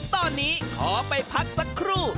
ตอนนี้ขอไปพักสักครู่